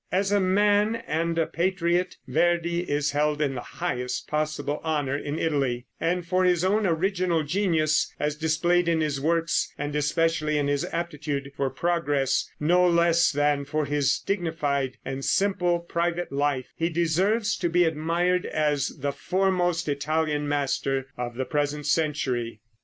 As a man and a patriot Verdi is held in the highest possible honor in Italy; and for his own original genius, as displayed in his works, and especially in his aptitude for progress, no less than for his dignified and simple private life, he deserves to be admired as the foremost Italian master of the present century.